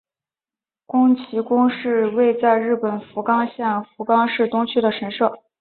筥崎宫是位在日本福冈县福冈市东区的神社。